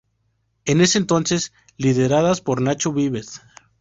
En ese entonces, lideradas por Nacho Vives.